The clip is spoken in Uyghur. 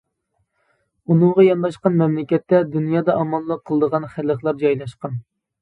ئۇنىڭغا يانداشقان مەملىكەتتە دۇنيادا يامانلىق قىلىدىغان خەلقلەر جايلاشقان.